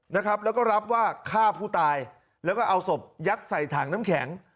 นะครับแล้วก็รับว่าฆ่าผู้ตายแล้วก็เอาศพยัดใส่ถังน้ำแข็ง